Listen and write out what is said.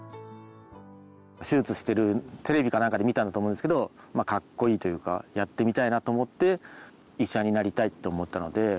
手術しているテレビかなんかで見たんだと思うんですけどカッコイイというかやってみたいなと思って医者になりたいって思ったので。